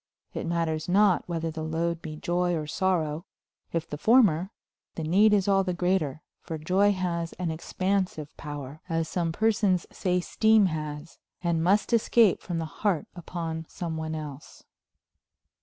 It matters not whether the load be joy or sorrow; if the former, the need is all the greater, for joy has an expansive power, as some persons say steam has, and must escape from the heart upon some one else.